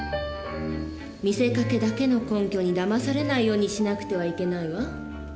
見せかけだけの根拠にだまされないようにしなくてはいけないわ。